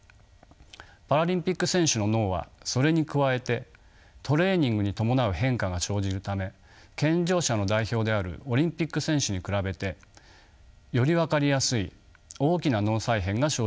パラリンピック選手の脳はそれに加えてトレーニングに伴う変化が生じるため健常者の代表であるオリンピック選手に比べてより分かりやすい大きな脳再編が生じると考えられます。